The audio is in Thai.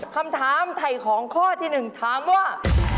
คำถามไถ่ของข้อที่๑ถามว่า